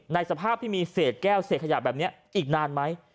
สภาพที่มีเศษแก้วเศษขยะแบบนี้อีกนานไหม